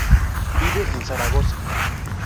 Vive en Zaragoza.